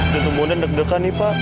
tentu mudah deg degan nih pak